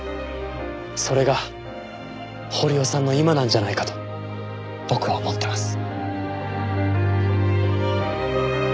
それが堀尾さんの今なんじゃないかと僕は思ってます。